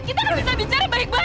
kita harus bisa bicara baik baik